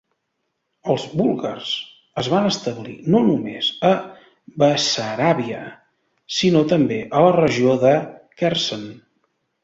Els búlgars es van establir no només a Bessaràbia, sinó també a la regió de Kherson.